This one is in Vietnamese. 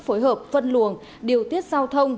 phối hợp phân luồng điều tiết giao thông